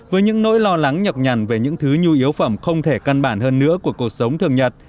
với những nỗi lo lắng nhọc nhằn về những thứ nhu yếu phẩm không thể căn bản hơn nữa của cuộc sống thường nhật